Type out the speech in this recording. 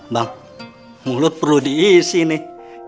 bang mulut perlu diisi nih